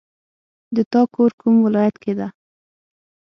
د تا کور کوم ولایت کې ده